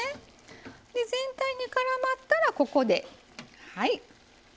全体にからまったらここではい。